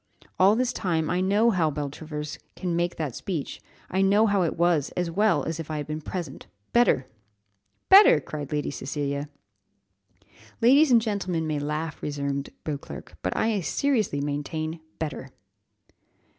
All this time I know how Beltravers came to make that speech I know how it was, as well as if I had been present better!" "Better!" cried Lady Cecilia. "Ladies and gentlemen may laugh," resumed Beauclerc, "but I seriously maintain better!"